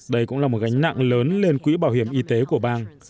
đây cũng là một gánh nặng lớn lên quỹ bảo hiểm y tế của bang